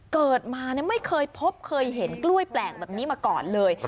เกิดมาไม่เคยพบเคยเห็นกล้วยแปลกแบบนี้มาก่อนเลย